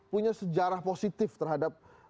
punya sejarah positif terhadap